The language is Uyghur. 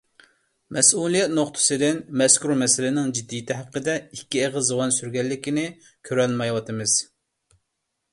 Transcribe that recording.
مەسئۇلىيەت نۇقتىسىدىن مەزكۇر مەسىلىنىڭ جىددىيىتى ھەققىدە ئىككى ئېغىز زۇۋان سۈرگەنلىكىنى كۆرەلمەيۋاتىمىز.